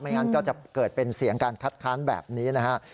งั้นก็จะเกิดเป็นเสียงการคัดค้านแบบนี้นะฮะ